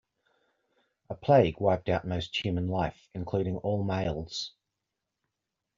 A plague wiped out most human life, including all males.